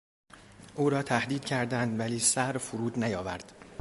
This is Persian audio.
او را تهدید کردند ولی سر فرود نیاورد.